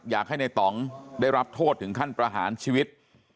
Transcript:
อยากให้ในต่องได้รับโทษถึงขั้นประหารชีวิต